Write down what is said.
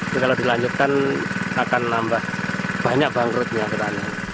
jika dilanjutkan akan nambah banyak bangkrutnya